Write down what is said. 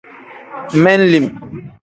Men-lim.